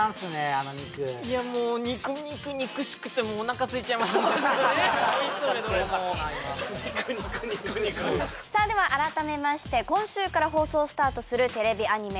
あの肉いやもう肉々肉しくてもうおなかすいちゃいましたそうですよね肉々肉々おいしそうでどれもさあでは改めまして今週から放送をスタートするテレビアニメ